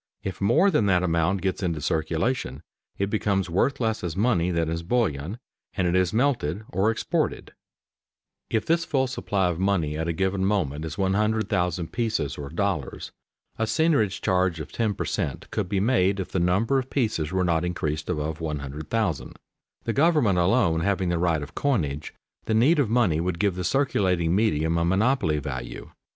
If more than that amount gets into circulation it becomes worth less as money than as bullion, and it is melted or exported. [Sidenote: Example of seigniorage value in coins] If this full supply of money at a given moment is 100,000 pieces or dollars, a seigniorage charge of ten per cent. could be made if the number of pieces were not increased above 100,000. The government alone having the right of coinage, the need of money would give the circulating medium a monopoly value.